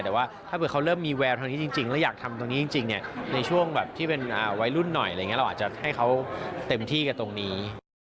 แต่ว่าถ้าเกิดเขาเริ่มมีแววเท่านี้จริงแล้วอยากทำตรงนี้จริงในช่วงแบบที่เป็นวัยรุ่นน่ะอย่างงี้